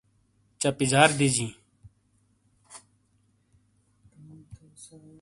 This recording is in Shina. چہ پِیجار دیجیں۔